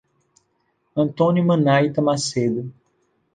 Antônio Manaita Macedo